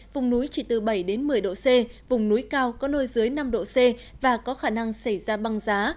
vùng núi chỉ từ bảy một mươi độ c vùng núi cao có nơi dưới năm độ c và có khả năng xảy ra băng giá